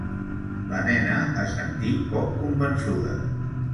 La nena assentí poc convençuda.